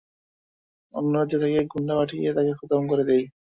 অন্য রাজ্য থেকে গুন্ডা পাঠিয়ে তাকে খতম করে দিই?